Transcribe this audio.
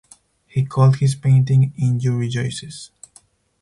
He called his painting In You Rejoices.